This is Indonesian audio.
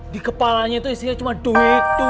di kepalanya tuh istrinya cuma duit